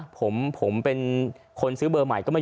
ผมผมเป็นคนซื้อเบอร์ใหม่ก็ไม่ยอมบอก